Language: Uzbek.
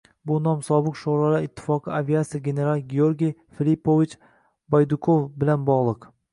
bu nom sobiq sho‘rolar ittifoqi aviatsiya generali Georgiy Fillipovich Baydukov bilan bog‘liq.